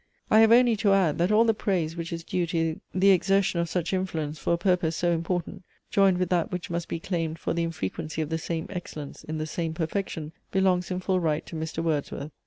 I have only to add, that all the praise which is due to the exertion of such influence for a purpose so important, joined with that which must be claimed for the infrequency of the same excellence in the same perfection, belongs in full right to Mr. Wordsworth.